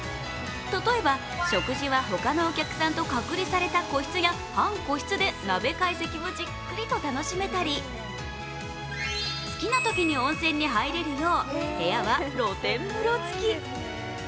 例えば食事は他のお客さんと隔離された個室や半個室で鍋会席をじっくり楽しめたり、好きなときに温泉に入れるよう部屋は露天風呂付き。